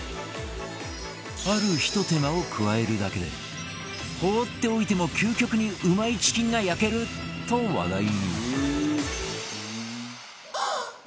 あるひと手間を加えるだけで放っておいても究極にうまいチキンが焼ける！と話題に